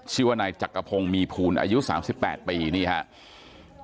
ชื่อว่านายจักรพงศ์มีภูลอายุ๓๘ปีนี่ครับ